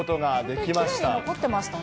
きれいに残ってましたね。